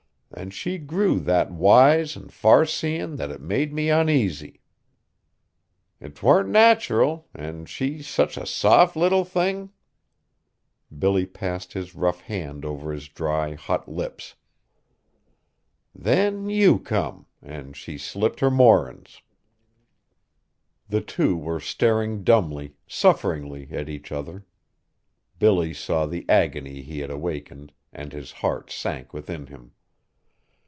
An' she grew that wise an' far seein' that it made me oneasy. 'T warn't nateral, an' she such a soft little thin'!" Billy passed his rough hand over his dry, hot lips. "Then you come, an' she slipped her moorin's." The two were staring dumbly, sufferingly, at each other. Billy saw the agony he had awakened and his heart sank within him.